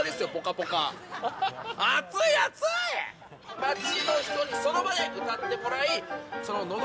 街の人にその場で歌ってもらいのど